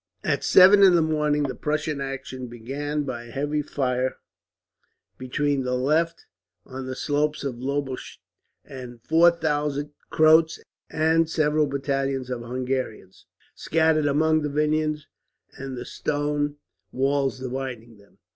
At seven in the morning the Prussian action began by a heavy fire between the left, on the slopes of Lobosch, and 4000 Croats and several battalions of Hungarians, scattered among the vineyards and the stone walls dividing them.